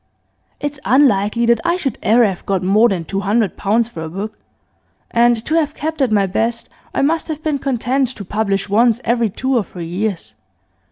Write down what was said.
'It's unlikely that I should ever have got more than two hundred pounds for a book; and, to have kept at my best, I must have been content to publish once every two or three years.